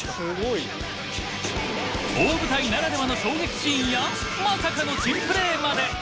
大舞台ならではの衝撃シーンやまさかの珍プレーまで。